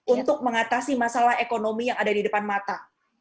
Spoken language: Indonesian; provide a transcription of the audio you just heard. untuk mengatasi masalah ekonomi yang ada di depan mata